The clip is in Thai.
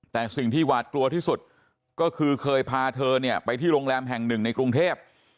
แต่สิ่งที่หวาดกลัวที่สุดก็คือเคยพาเธอเนี่ยไปที่โรงแรมแห่งหนึ่งในกรุงเทพ